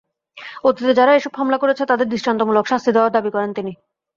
অতীতে যারা এসব হামলা করেছে, তাদের দৃষ্টান্তমূলক শাস্তি দেওয়ার দাবি করেন তিনি।